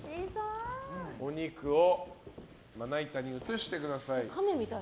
お肉をまな板に移してください。